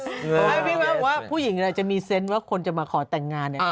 พี่ว่าผู้หญิงจะมีเซนต์ว่าคนจะมาขอแต่งงาน